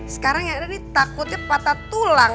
sekarang yaudah nih takutnya patah tulang